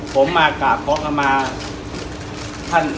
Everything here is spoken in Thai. ผมมากากขออำมาท่าน